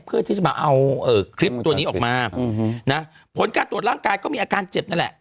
เพื่อที่จะมาเอาคลิปตัวนี้ออกมาผลการตรวจร่างกายก็มีอาการเจ็บนั่นแหละ